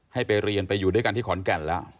ให้ไปเรียนไปอยู่ด้วยกันที่ขอนแก่นแล้ว